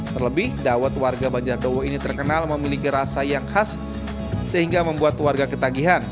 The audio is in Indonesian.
terlebih dawet warga banjardowo ini terkenal memiliki rasa yang khas sehingga membuat warga ketagihan